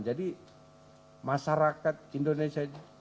jadi masyarakat indonesia